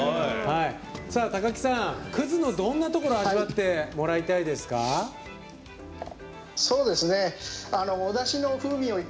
高木さん葛の、どんなところ味わってもらいたいですか？